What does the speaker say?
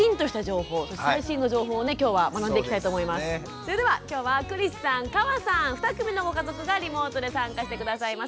それでは今日は栗栖さん河さん２組のご家族がリモートで参加して下さいます。